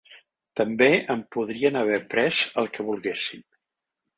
També em podrien haver pres el que volguessin.